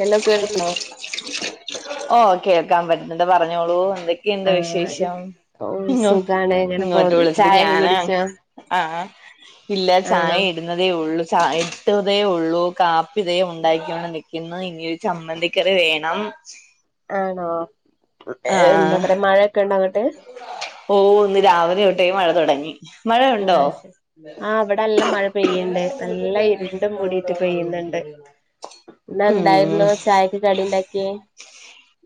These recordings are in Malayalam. ഹലോ കേൾക്കണോ ഓഹ് കേൾക്കാൻ പറ്റുന്നുണ്ട് പറഞ്ഞോളൂ എന്തൊക്കെയുണ്ട് ആഹ് വിശേഷം ഓ ഇങ്ങോ സുഖാണ് ഇങ്ങനെ ഇങ്ങോട്ട് പോന്ന് വിളിച്ചിട്ട് ചായൊക്കെ ഞാനാ കുടിച്ചോ ആഹ് ഇല്ല ചായ ആണോ എടു തേള്ളൂ ചായ ഇട്ടതേ ഉള്ളൂ കാപ്പിതേ ഉണ്ടാക്കൊണ്ട് നിൽക്കുന്നു ഇനി ഒരു ചമ്മന്തി കറി വേണം ആണോ എന്താ പറയാ മഴക്കെ ഉണ്ടോ അങ്ങോട്ട് ഓഹ് ഇന്ന് രാവിലെ തൊട്ടേ മഴ തുടങ്ങി മഴയുണ്ടോ ആഹ് ശരി ആഹ് ഇവിടെ നല്ല മഴ പെയ്യണ്ട് നല്ല ഇരുണ്ടു മൂടിയിട്ട് പെയ്യുന്നുണ്ട് ഇന്ന് ഉം എന്തായിരുന്നു ചായക്ക്‌ കടി ഇണ്ടാക്കിയെ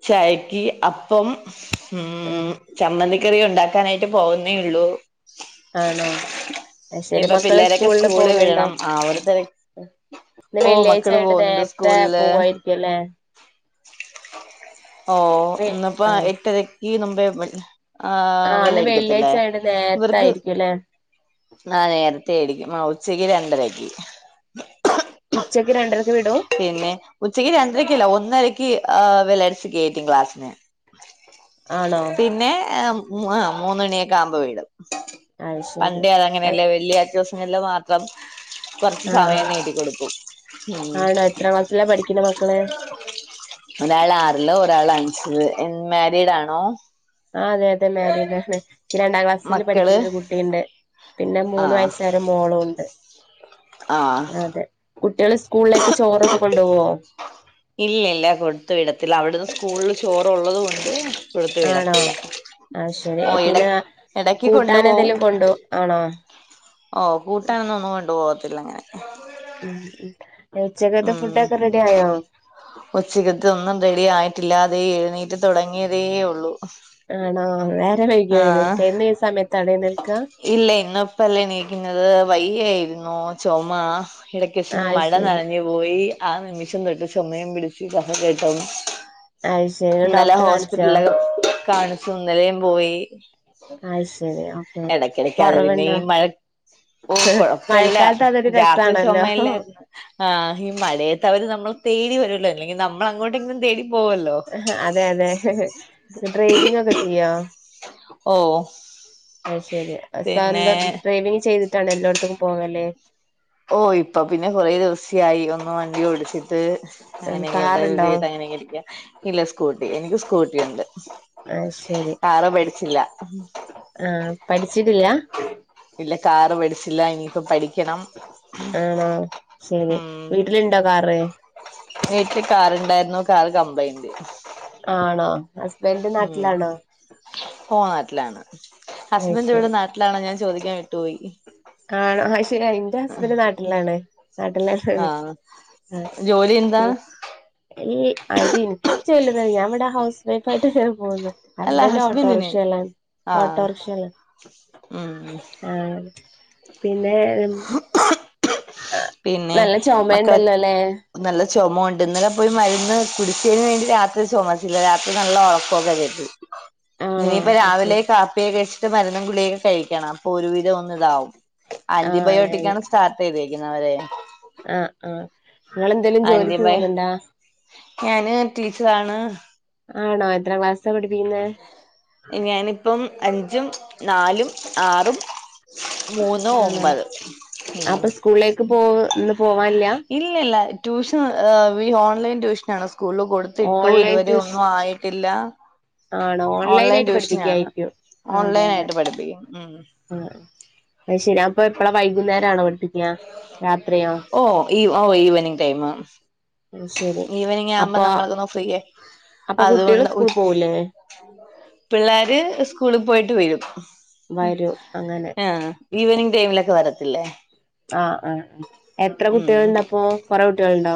ചായക്ക് അപ്പം ഉം ആഹ് ചമ്മന്തിക്കറി ഉണ്ടാ ക്കാനായിട്ട് പോവുന്നേള്ളു ആണോ അത് ഇനി ശരി ഇപ്പൊ മക്കള് പിള്ളേരൊക്കെ സ്കൂളില് സ്കൂള് പോകുന്നുണ്ടോ വിടണം ആ ഒരു തിരക്ക ഇന്ന് ഓഹ് മക്കള് പോവുന്നുണ്ട് സ്കൂളില് ക്കല്ലെ ഓഹ് ഇന്നിപ്പ ആഹ് എട്ടരക്ക് നുമ്പേ പോയി ആഹ് ഇന്ന് ബെല്ല് അടിക്കത്തില്ലേ വെള്ളിയാഴ്ച ആയോണ്ട് നേരത്തെ ഇവർക്ക് ആയിരിക്കും അല്ലേ ആഹ് നേരത്തെേടിക്കും ഉച്ചക്ക് രണ്ടരക്ക് ഉച്ചക്ക് രണ്ടരക്ക് വിടും പിന്നെ ഉച്ചക്ക് രണ്ടരക്കല്ല ഒന്നരക്ക് ആഹ് വെല്ലടിച്ചു കേറ്റും ക്ലാസ്ന് ആണോ പിന്നെ മൂന്നണിയൊക്കെ ആകുമ്പോ വിടും അത് ശരി പണ്ടേ അത് അങ്ങനെയല്ലേ വെള്ളിയാഴ്ച ദിവസങ്ങളില് മാത്രം കൊറച്ച് ആഹ് സമയം നീട്ടിക്കൊടുക്കും ഉം ആണോ എത്ര ക്ലാസ്സിലാ പഠിക്കണ മക്കള് ഒരാള് ആറില് ഒരാൾ അഞ്ചില് എ മാരിഡാണോ ആഹ് അതെ അതെ മാരിഡാണ് ഇക്ക് രണ്ടാം ക്ലാസ്സില് മക്കള് പഠിക്ക്‌ണ്ട ഒരു കുട്ടിണ്ട് പിന്നെ ആ മൂന്ന് വയസായൊരു മോളുണ്ട് ആ അതെ കുട്ടികള് സ്കൂളിലേക്ക് ചോറൊക്കെ കൊണ്ടോവോ ഇല്ലല്ല കൊടുത്തു വിടത്തില്ല അവിടുന്ന് സ്കൂളില് ചോറുള്ളത് കൊണ്ട് കൊടുത്തു ആണോ വിടത്തില്ല അത് ശരി ഓഹ് ഇട പിന്നെ ഇടക്ക് കൊണ്ടു കൂട്ടാൻ പോവും എന്തെലും കൊണ്ടോ ആണോ ഓഹ് കൂട്ടാനൊന്ന ഒന്നും കൊണ്ടു പോകത്തില്ല അങ്ങനെ ഉം ഉ ഉച്ചകത്തെ ഫുഡക്കെ റെഡി ആയാ ഉച്ചകത്തൊന്നും റെഡി ആയിട്ടില്ലാ തെഎഴുന്നീറ്റ് തുടങ്ങിയതേ ഉള്ളൂ ആണോ വേറെ വൈകിയോ എഴി ആഹ് നിൽക്ക എന്നും ഈ സമയത്താണോ എഴുനേൽക്കാ ഇല്ല ഇന്ന ഇപ്പല്ലേ എണീക്കുന്നത് വയ്യ ആയിരുന്നു ചുമ കിടക്കേസിന്ന് അത് മഴ ശരി നനഞ്ഞു പോയി ആ നിമിഷം തൊട്ട് ചൊമയം പിടിച്ച് കഫ കേട്ടവും അത് ശരി ഇന്നലെ ഡോക്ടറെ കാണിച്ചോ ഹോസ്പിറ്റലൊക്കെ കാണിച്ചു ഇന്നലും പോയി അയ്ശരി ഇടയ്ക്കിടക്ക് അത് പിന്നെ ഈ മഴ ഓഹ് കൊഴപ്പില്ല മഴക്കാലത്ത് അതൊരു രാത്രി രസാണല്ലോ ചൊമല്ലാര്ന്ന് ആഹ് ഈ മഴയത്ത് അവര് നമ്മൾ തേടി വരുല്ലോ അല്ലെങ്കിൽ നമ്മൾ അങ്ങോട്ടെങ്കിലും തേടി പോകല്ലോ അതെ അതെ ഡ്രൈവിങ് ഒക്കെ ചെയ്യോ ഓ അയ് ശരി പിന്നെ സ്വന്തം ഡ്രൈവിങ് ചെയ്തിട്ടാണ് എല്ലായിടത്തക്കും പോകല്ലേ ഓഹ് ഇപ്പ പിന്നെ കുറേ ദിവസ്യ ആയി ഒന്ന് വണ്ടി ഓടിച്ചി ത് കാറുണ്ടോ അങ്ങനെതത് അങ്ങനെ കെരിക്ക ഇല്ല സ്കൂട്ടി എനിക്ക് സ്കൂട്ടി ഉണ്ട് അത് ശരി കാറ് മേടിച്ചില്ല ആഹ് പഠിച്ചിട്ടില്ല ഇല്ല കാറ് പഠിച്ചില്ല ഇനിപ്പ പഠിക്കണം ആണോ ശരി ഉം വീട്ടിലിണ്ടോ കാറ് വീട്ടില് കാറണ്ടായിരുന്നു കാറ് കംമ്പ്ലൈന്റ്.... ആണോ.... ഹസ്ബൻഡ് ഉം നാട്ടിലാണോ പോ നാട്ടിലാണ് അത് ഹസ്ബൻഡ് ഇവിടെ...... ശരി ണ ഞാ ചോദിക്കൻ വിട്ടുപോയി..... ആണോ ആഹ് ശരിയ എന്റെ ഹസ്ബൻഡ് നാട്ടിലാണ് നാട്ടിലാ.... ആ..... ജോലി എന്താ.... ഈ അത് എനിക്ക് ചെല്ലുത് ഞാൻ ഇവിടെ ഹൗസ് വൈഫ ആയിട്ട്ങ്ങഞാൻ പോവുന്നു.... അല്ല ഹസ്ബൻഡ് ഹസ്ബൻഡിന് ഓട്ടോറിക്ഷലാ ആഹ് ഓട്ടോറിക്ഷയല്ലാം..... ഉം.... പിന്നെ.... പിന്നെ നല്ല മക്കളെ... ചുമയുണ്ടല്ലോ അല്ലേ നല്ല ചുമ ഉണ്ട് ഇന്നലെ പോയി മരുന്ന് കുടിച്ചതിന് വേണ്ടി രാത്രി ചുമച്ചില്ല രാത്രി നല്ല ഉറപ്പമൊക്കെരുട്ടത്.... ആണോ ഇനിയിപ്പ പക്ഷെ രാവിലെ കാപ്പിയക്ക കഴിച്ചിട്ട് മരണം ഗുളിയൊക്കെ കഴിക്കണം അപ്പൊ ഒരുവിധം ഒന്ന ഇതാവും.... ആ അതെ ആന്റിബയോട്ടിക്ക ആണ് സ്റ്റാർട്ട് ചെയ്തരിക്കുന്നത് അവരെ.... ആഹ് ആഹ്..... നിങ്ങെന്തേലും ജോലിക്ക് ആന്റിബയോ പോന്നണ്ടാ.... ഞാന് ടീച്ചറാണ് ആണോ എത്ര ക്ലാസ്സാ പഠപ്പിക്കുന്ന.... ഞാനിപ്പം അഞ്ചും നാലും ആറും..... മൂന്നും ആണോ ഒമ്പത് ഉം അപ്പൊ സ്കൂളിലേക്ക് പോ ഇന്ന് പോവാനില്ല.... ഇല്ലല്ല ട്യൂഷൻ ഈ ഓൺലൈൻ ട്യൂഷന ആണ് സ്കൂളിൽ കൂടു ട്ടു ഓൺലൈൻ ഇതുവരെ ട്യൂഷ ഒന്നും ആയിട്ടില്ല.... ആണോ ഓൺലൈൻ ആയിട്ട് ട്യൂഷനാണ് പഠിപ്പിക്കായിരിക്കും ഓൺലൈൻ ആയിയിട്ട് പഠിപ്പിക്കും ഉം.... ആയ്ശരിയാ അപ്പ എപ്പളാ വൈകുന്നേര ആണോ പടിപ്പിക്ക രാത്രിയാ.... ഓഹ് ഈ ഓഹ് ഈവനിങ്ങ് ടൈം.... അത് ശരി ഈവനിങ് ആവുമ്പോ അപ്പൊ നമ്മൾക്കന്ന ഫ്രീയ അപ്പൊ കുട്ടികള് അതുകൊണ്ട്.... സ്കൂൾ പോവൂലേ പിള്ളോര് സ്കൂളിൽ പോയിട്ട് വരും.... വരൂ അങ്ങനെ.... ആഹ് ഈവനിംഗ് ടൈമിലൊക്കെ വരത്തില്ലേ.... ആ ആ എത്ര ഉം കുട്ടികൾുണ്ട അപ്പൊ കൊറെേ കുട്ടികൾുണ്ടോ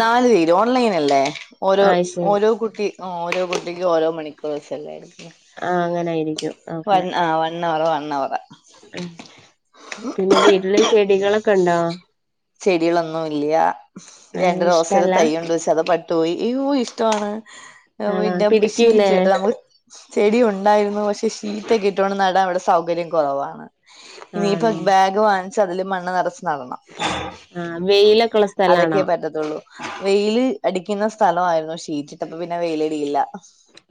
നാാലു തിര് ഓൺലൈൻ അല്ലേ ഓരോ ആഹ് ശരി ഓരോ കുട്ടി ആ ഓരോ കുട്ടിക്കും ഓരോ മണിക്കൂർ വെച്ചല്ലേ ആ അങ്ങനൊയിരിക്കും ആ വൺ ഹവർ വൺ ഹവറ ഉ പിന്നെ വീട്ടില് ചെടികളൊക്കെ ഉണ്ടോ രണ്ടു ദോസൽ ഇഷ്ടല്ല തൈ ഉണ്ട് വെച്ച അത് പട്ടുപോയി ഇഷ്ടമാണ് ആണോ പിന്നെ പിടിക്കൂലേ റ്റിട്ട് നമ്മുക്ക് ചെടിയ ഉണ്ടായിരുന്നു പക്ഷെ ഷീറ്റൊക്കെ ഇട്ടുകണ്ട് നടാൻ ഇവിടെ സൗകര്യം കുറവാണ് ഇനിയിപ്പൊ ആണോ ബാഗ് വാങ്ങിച്ച അതില് മണ്ണ് നിറച്ചു നടണം ആഹ് വെയില കുള അതൊക്കെേ പറ്റത്തുള്ളൂ വെയില് അടിക്കുന്ന സ്ഥലയിരുന്നു റ്റിട്ടപ്പ പിന്നെ വെയിലടിയില്ല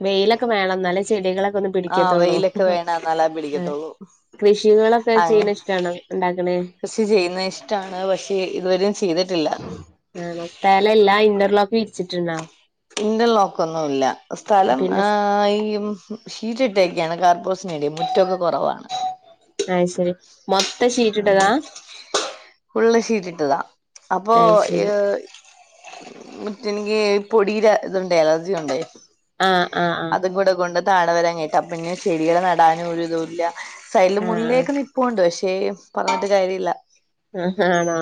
വെയിലൊക്കെ വേണം എന്നല്ലേ ചെടികളൊക്കെ ഒന്ന് ആഹ് പിടിക്കത്തുള്ളൂ വെയിലൊക്കെ വേണം എന്നാലേ ആഹ പിടിക്കത്തുള്ളൂ കൃഷികളൊക്കെ അങ്ങ് ചെയ്യണ ഇഷ്ടണ ഉണ്ടാക്കണേ കൃഷി ചെയ്യുന്നത് ഇഷ്ടമാണ് പക്ഷേ ഇതുവരും ചെയ്തിട്ടില്ല ആണോ സ്ഥലല്ല ഇന്റർലോക്ക് വിരിച്ചിട്ടുണ്ടാവോ ഇന്റർ ലോക്ക് ഒന്നും ഇല്ല സ്ഥലം പിന്നെ ആ ഈ ഷീറ്റ ഇട്ടേൊക്കെയാണ് കാർബോസിനടയും മുറ്റൊക്കെ കുറവാ അഹ് ശരി മൊത്ത സീറ്റ്ട്ടതാ ഫുൾ ശീട്ടിട്ട്താ അപ്പൊ അയ് ഏ ശരി ഈ മുറ്റമെനിക്കീ പൊടിയുടെയിതുണ്ടേ അലർജിയുണ്ടേ. ആഹ് ആഹ് ആഹ് അതും കൂടെകൊണ്ടു താഴെവരാഞ്ഞിട്ടാ അപ്പോ ഞാൻചെടികളു നടാനുമൊരിതുമില്ല സൈഡില് ആഹ് മുല്ലയൊക്കെ നിൽപ്പുണ്ട് പക്ഷേ പറഞ്ഞിട്ടുകാര്യമില്ല ആഹ് ഹാ ആണോ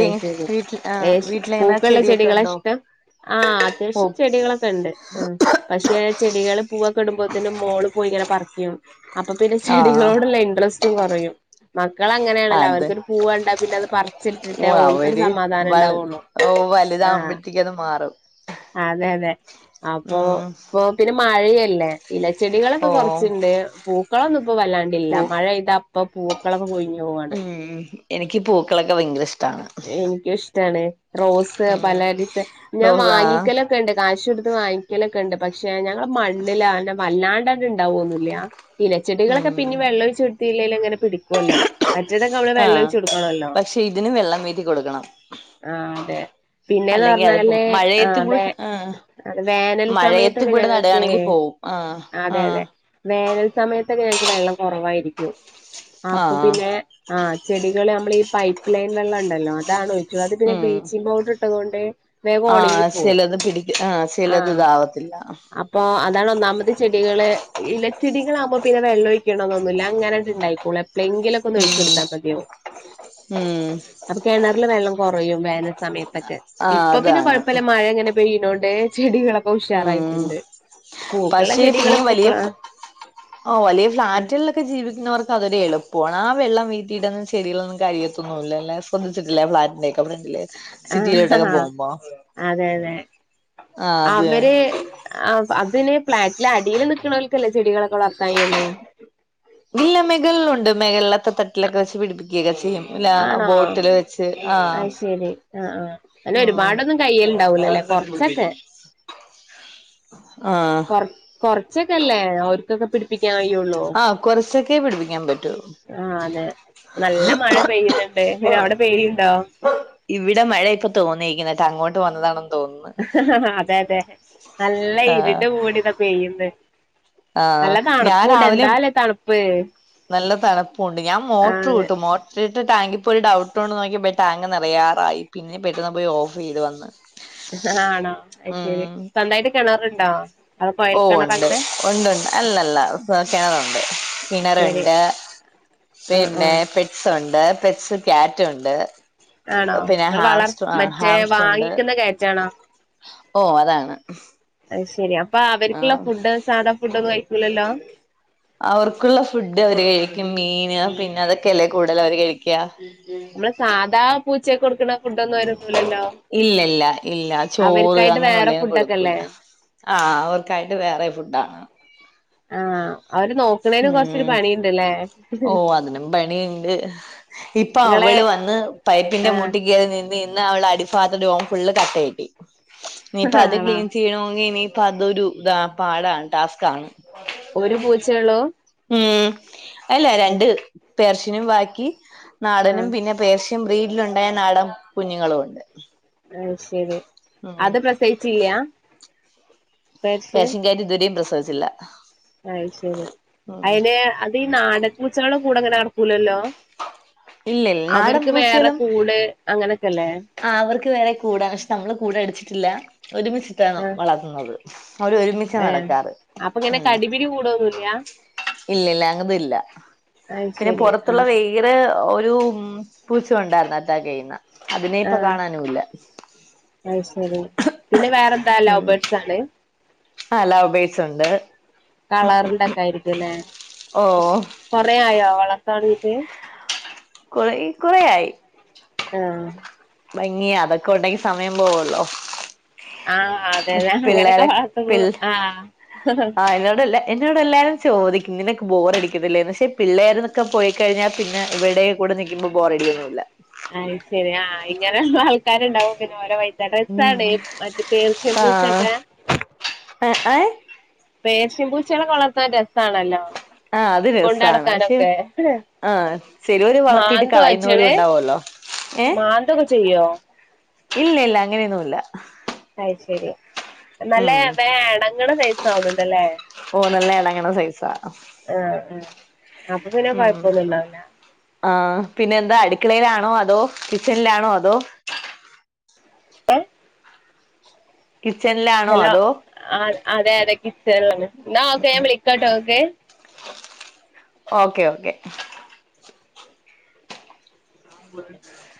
അതുശരി ആഹ് വീട്ടിലെങ്ങനെ പൂക്കളുള്ള ചെടിയൊക്കെ ഉണ്ടോ ചെടികളായിഷ്ടം. ആഹ് ഓ അത്യാവശ്യംചെടികളൊക്കെയുണ്ട് ആമ് പക്ഷേയാചെടികളു പൂവൊക്കെയിടുമ്പോളത്തേനും മോളു പോയിയിങ്ങനെ പറിക്കും. അപ്പൊ പിന്നെ ആഹ് ചെടികളോടുള്ള ഇൻട്രസ്റ്റും കുറയും മക്കളങ്ങനെയാണല്ലോ അത് അവർക്കൊരു പൂവു ഓ കണ്ടാൽപിന്നെയതുപറിച്ചിട്ടിട്ടേ ഓൽക്കൊരു അവര് സമാധാനമുണ്ടാവുകയുള്ളു ആഹ്. എനിക്കതു മാറും ആ അതെയതെ അപ്പൊ, ഉം ഇപ്പൊപ്പിന്നെ മഴയല്ലേ. ഇലച്ചെടികളൊക്കൊ ഓ കുറച്ചുണ്ട്. പൂക്കളൊന്നുമിപ്പൊ വല്ലാണ്ടില്ല, പൂ മഴയില്ലാത്തപ്പൊ പൂക്കളൊക്കെ കൊഴിഞ്ഞു പോവാണ്. ഉം എനിക്ക് പൂക്കളൊക്കെ ഭയങ്കര ഇഷ്ടാണ് എനിക്കിഷ്ടാണ് റോസ് ഉം പലയിത് ഞാൻ റോസ വാങ്ങിക്കല് ഉണ്ട്, കാശുകൊടുത്തു വാങ്ങിക്കലൊക്കെയുണ്ട് പക്ഷെ ഞങ്ങടെ മണ്ണിലാണ്ട് വല്ലാണ്ട് ഇണ്ടാവുമൊന്നുമില്ല. പിന്നെ, ച്ചെടികളൊക്കെ ഉം പിന്നെ വെള്ളമൊഴിച്ചെടുത്തില്ലേലുമങ്ങനെ പിടിക്കുവല്ലോ മറ്റേതൊക്കെ നമ്മള് വെള്ളമൊഴിച്ചുകൊടുക്കണമല്ലോ ഇതിനു വെള്ളം വീട്ടിൽ കൊടുക്കണം അതെ പിന്നേന്ന് അല്ലെങ്കിലതു പറഞ്ഞാല് മഴയത്തു ആഹ് കു വേ ആഹ് അത് വേനൽ സമയത്തൊക്കെ മഴയത്തിവിടെ ഞങ്ങക്ക് നടുകയാണെങ്കിൽ പോകും ആഹ് ആ അതെ അതെ വേനൽ സമയത്തൊക്കെ ഞങ്ങക്കുവെള്ളം കുറവായിരിക്കും. അപ്പൊ ആഹ് പിന്നെ ആഹ്. ചെടികള്നമ്മളീ പൈപ്പുലൈൻ വെള്ള മുണ്ടല്ലോഅതാണൊഴിച്ചു. അതു പിന്നെ ഉം ബ്ലീച്ചിംഗ്പൗഡർ അതുകൊണ്ടേ ആഹ് ചിലതു പിടിക്കി ആഹ് ആഹ് ചിലതിതാവത്തില്ല അപ്പൊ അതാണൊന്നാമത്തെ ചെടികളേയിലച്ചെടികളാകുമ്പോ പിന്നെ വെള്ളം ഒഴിക്കണമെന്നൊന്നുമില്ല. അങ്ങയതുണ്ടായിക്കോളും, എ എപ്പമെങ്കിലൊക്കെയൊന്ന് ഉം ഒഴിച്ചുകൊടുത്താമതിയോ ഉം അപ്പൊ കിണറിലുവെള്ളം കുറയും, വേനൽ സമയത്തൊക്കെ, ആഹ് ഇപ്പൊ പിന്നെ അതാണ് കുഴപ്പമില്ലമഴയങ്ങനെ പെയ്യുന്നോണ്ടേ, ചെടികളൊക്കെ ഉം ഉഷാറായിട്ടുണ്ട്. പൂക്കുള്ള പക്ഷേ ചെടികള് പിന്നെ വലിയ പൂക്കളാ ഓ വലിയ ഫ്ലാറ്റുകളൊക്കെ ലൊക്കെ, ജീവിക്കുന്നവർക്കതൊരെളുപ്പമാണ് ആ വെള്ളം വീണീട്ടൊന്നും ചെടികളൊന്നും കരിയത്തൊന്നുമില്ല ഒന്നിച്ചിട്ടല്ലേ ഫ്ളാറ്റിന്റെയൊക്കെ ഫ്രണ്ടിലേത് ആഹ് അതെ അതെ, ആ അത് അവര് ആഹ് അതിന് ഫ്ലാറ്റില് അടീല് നിക്കണോൽക്കല്ലേ ചെടികളൊക്കെ വളർത്താൻ കയ്യൂള്ളു ഇല്ല, മെകളിലുണ്ട് മെകളിലത്തെ തട്ടിലൊക്കെ വെച്ചുപിടിപ്പിക്കു [unintelligible] ഇല്ല ആണോ ബോട്ടില് വെച്ച് ആഹ് അത് ആഹ് തൈയ്യല്ണ്ടാവൂലല്ലേ കൊറച്ചൊക്കെ ആഹ് കൊറച്ചൊക്കെയല്ലേ ഓല്ക്കൊക്കെ പിടിപ്പി പ്പിക്കാൻ കയ്യോളു ആഹ് കൊറച്ചൊക്കെ പിടി ക്കാൻ പറ്റൂ ആഹ് അതെ നല്ല മഴ പെയ്യുന്നുണ്ട് പിന്നെ വെയില്ണ്ടോ ഇവിടെ മഴയൊക്കെ തോന്നായിക്കണ് ഇന്നട്ട് അങ്ങോട്ടു വന്നതാണ് അതെയതെ നല്ല ആ ഇരുട് മൂടിയിതാ പെയ്യുന്ന് ആ നല്ല ഞാൻ തണുപ്പുണ്ട്, രാവിലെ എന്താല്ലേ തണുപ്പ് നല്ല തണുപ്പുണ്ട് ഞാൻ ആ മോട്ടറു ഇട്ടു മോട്ടറിട്ട് ടാങ്കിപ്പോയൊരു ഡൗട്ട്കൊണ്ടു നോക്കിയപ്പോ ടാങ്കു നെറയാറായി പിന്നെ പെട്ടെന്നു പോയി ഓഫ് ചെയ്തുവന്നു. ആണോ, അയ് ശരി സ്വന്തായിട്ട് കെണറുണ്ടോ? ഓഹ് ഒണ്ട്, ഒണ്ടൊണ്ട്, അല്ലല്ല കെണറുണ്ട് ശരി കിണറുണ്ട് ആ ആ പിന്നെ പെറ്റ്സുണ്ട്, പെറ്റ്സ് ക്യാറ്റുണ്ട്. ആണോ പിന്നെ നിങ്ങള് വളർ ഹാംസ്ട്ര് ആഹ് മറ്റേ ഹാംസ്ട്രൊണ്ട് വാങ്ങിക്കുന്ന കയറ്റാണോ ഓഹ് അതാണ് അയ് ശരി അപ്പ ആ അവർക്കുള്ള ഫുഡ് സാധാ ഫുഡ് ഒന്നും കഴിക്കൂലല്ലോ? അവർക്കുള്ള ഫുഡ് അവര് കഴിക്കും മീൻ പിന്നെ അതൊക്കെയല്ലേ കൂടുതല് അവര് കഴിക്കാ ഉം ഉം നമ്മളെ സാധാ പൂച്ചേ ക്ക് കൊടുക്കണ ഫുഡൊന്നും അവരൊന്നുമില്ലല്ലോ ഇല്ല ഇല്ല ഇല്ല ചോറ് അവർക്കായിട്ട് അങ്ങനെ വേറെ ഒള്ളേ ഒന്നും ഫുഡൊക്കെ കൊടുക്കൂല അല്ലേ ആഹ് അവർക്കായിട്ട് വേറെ ഫുഡാണ് ആഹ് അവരെ നോക്കണേന് കൊറച്ചൊരു പണിയ്ണ്ട്ല്ലേ ഓഹ് അതിനും പണിയുണ്ട് ഇപ്പ നിങ്ങളെ അവള് വന്ന് പൈപ്പിന്റെ ആ മൂട്ടിക്കയറി നിന്ന് നി നിന്ന് അവളെ അടി [unintelligible] ഫുള്ള് കട്ട ആയി പോയി ഇനിയിപ്പ അത് ആണോ ക്ലീൻ ചെയ്യണോങ്കി ഇനി അപ്പ അതൊരു ഇതാ പാടാണ് ടാസ്ക്കാണ് ഒരു പൂച്ചേ ഉള്ളൂ ഉം അല്ല രണ്ട് പേർഷ്യനും ബാക്കി നാടനും ആഹ് പിന്നെ പേർഷ്യൻ ബ്രീഡിൽ ഒണ്ടായ നാടൻ കുഞ്ഞുങ്ങളും ഒണ്ട് അത് ശരി അത് പ്രസയിച്ചില്ല പേർഷ്യൻ ക്യാറ്റ് ഇതുവരെയും പ്രസവിച്ചില്ല അത് ശരിയാ ഉം അയിന് അത് ഈ നാടൻ പൂച്ചകളുടെ കൂടെങ്ങനെ നടക്കൂലല്ലോ ഇല്ല ഇല്ല നാടൻ അവർക്ക് വേറെ കൂട് അങ്ങനൊക്കല്ലേ ആഹ് അവർക്ക് വേറെ കൂടാ പക്ഷെ നമ്മള് കൂട് അടിച്ചിട്ടില്ല ഒരുമിച്ചിട്ടാണ് ആഹ് വളർ ഉം അതെ അവരെ ഒരുമി ഏഹ് അപ്പ ഇങ്ങനെ കടിപിടി കൂടോന്നും ഇല്ല ഇല്ലല്ല അങ്ങത് ഇല്ല അത് പിന്നെ ശരി പൊറത്തുള്ള ആഹ് വെയി [unintelligible] ഒരു ഉം പൂച്ച ഒണ്ടായിരുന്നു അറ്റാക്ക് ചെയ്യുന്ന അതിനെ ഇപ്പ ആഹ് കാണാനും ഇല്ല അത് ശരി പിന്നെ വേറെന്താ ഉം [unintelligible] ആഹ് ലൗബേഡ്സ് ഒണ്ട് കളറിന്റെക്കെ ആയിരിക്കൂല്ലേ ഓ കൊറെ ആയോ വളർത്താൻ തൊടങ്ങീറ്റ് കൊറെ കൊറെയായി ആഹ് ഭംഗിയ അതൊക്കെ ഉണ്ടെങ്കി സമയം പോവൊള്ളോ ആഹ് അതെ തെ അങ്ങനെക്കെ വർത്തൂ ആഹ് വയനാടല്ലേ എന്നോട് എല്ലാരും ചോദിക്കും നിനക്ക് ബോറ അടിക്കുന്നില്ലേന്ന് ക്ഷെ പിള്ളേര്‌ ന്നൊക്കെ പോയിക്കഴിഞ്ഞാ പിന്നെ ഇവിടെ കൂട നിക്കുമ്പോ ബോറഡിയൊന്നുല്ല അത് ശരി ആ ഇങ്ങനെന്നു ആൾക്കാര്ണ്ടാവും പിന്നെ ഓര വൈത്ത ഉം രസ്സാണയ് മറ്റേ പേർഷ്യൻ ആഹ് പൂച്ചക്കെ [unintelligible] പേർഷ്യൻ പൂച്ചേളക്ക വളർത്താൻ രസാണല്ലോ ആഹ് അത് രസാണ് പക്ഷെ കൊണ്ടടക്കാനൊക്കെ ആഹ് ചെലോര് വളർത്തീട്ട് മാന്തോ കളയുന്നോരും അയ്റ്റങ്ങള് ഉണ്ടാവൊല്ലോ മാന്തൊക്കെ ചെയ്യോ ഇല്ല ഇല്ല അങ്ങനെയൊന്നുല്ല അത് ശരി നല്ല വേ എണങ്ങ്ണ സൈ ഓ നല്ല എണങ്ങ്ണ സൈസാ ആഹ് ആ അപ്പ പിന്നെ ഉം കൊയപ്പൊന്നുണ്ടാ വൂല ആഹ് പിന്നെ എന്താ അട്ക്ക്ളേലാണോ അതോ കിച്ചൺലാണോ അതോ ഏ കിച്ചൺലാണോ അതോ ആഹ് അതെ അതെ കിച്ചൺലാൺ ന്നാ ഓക്കെ ഞാൻ വിളിക്കട്ടൊ ങക്ക് ഓക്കെ ഓക്കെ [unintelligible]